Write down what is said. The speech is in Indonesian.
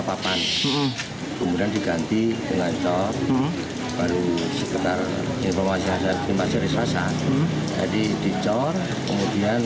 papan kemudian diganti dengan top baru sekitar informasi informasi resasa jadi dicor kemudian